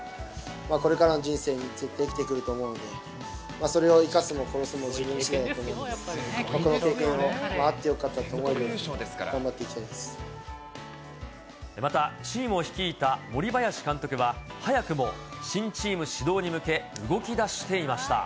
これからの人生に絶対生きてくると思うので、それを生かすも殺すも、自分しだいだと思うので、この経験があってよかったと思えまたチームを率いた森林監督は、早くも新チーム始動に向け、動きだしていました。